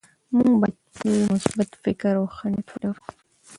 موږ باید تل مثبت فکر او ښه نیت ولرو